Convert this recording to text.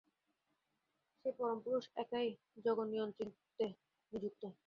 সেই পরম পুরুষ একাই জগন্নিয়ন্তৃত্বে নিযুক্ত।